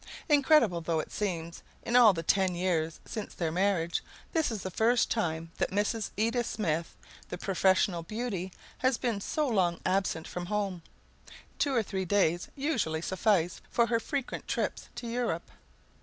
Incredible though it seems, in all the ten years since their marriage, this is the first time that Mrs. Edith Smith, the professional beauty, has been so long absent from home; two or three days usually suffice for her frequent trips to Europe.